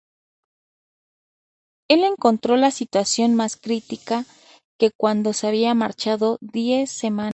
Él encontró la situación más crítica que cuando se había marchado, diez semanas atrás.